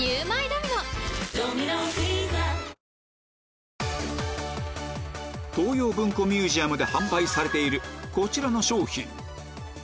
三菱電機東洋文庫ミュージアムで販売されているこちらの商品